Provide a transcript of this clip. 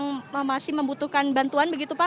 atau memang masih membutuhkan bantuan begitu pak